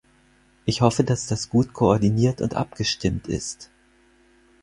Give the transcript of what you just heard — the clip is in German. Ich hoffe, dass das gut koordiniert und abgestimmt ist.